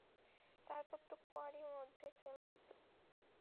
তারপর তা কোয়ারি মধ্যে ফেলে দিতো।